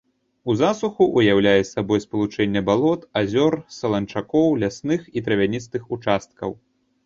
У засуху ўяўляе сабой спалучэнне балот, азёр, саланчакоў, лясных і травяністых участкаў.